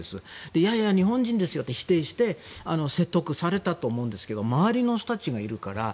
いやいや日本人ですよと否定して説得されたと思うんですけど周りの人たちがいるから。